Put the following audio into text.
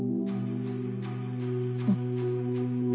うん。